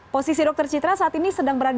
posisi dr citra saat ini sedang berada